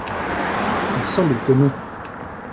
Il semble que non.